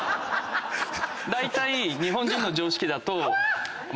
だいたい日本人の常識だと。